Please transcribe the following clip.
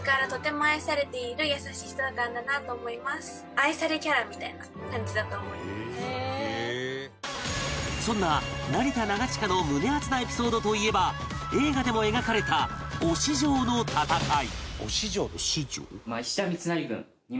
愛菜ちゃんも出演したそんな成田長親の胸アツなエピソードといえば映画でも描かれた忍城の戦い